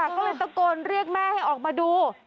ก็เลยตะโกนเรียกแม่ให้ออกมาดู